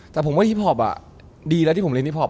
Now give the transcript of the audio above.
แต่ผมว่าฮิปพอปดีแล้วที่ผมเรียนฮิปพอป